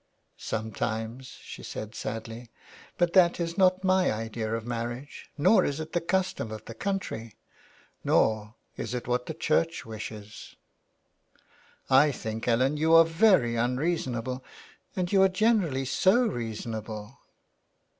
" Sometimes," she said, sadly, " but that is not my idea of marriage, nor is it the custom of the country, nor is it what the Church wishes." '* I think Ellen you are very unreasonable, and you are generally so reasonable."